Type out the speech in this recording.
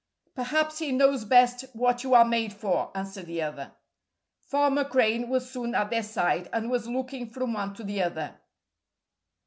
"Perhaps he knows best what you are made for," answered the other. Farmer Crane was soon at their side, and was looking from one to the other.